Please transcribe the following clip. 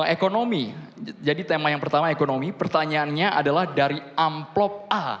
ekonomi jadi tema yang pertama ekonomi pertanyaannya adalah dari amplop a